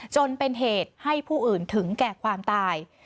จนเป็นเหตุให้ผู้อื่นถึงแก่ความตาย